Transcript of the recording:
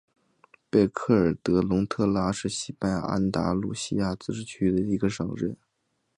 贝赫尔德拉夫龙特拉是西班牙安达卢西亚自治区加的斯省的一个市镇。